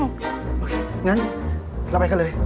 งั้นเราไปกันเลย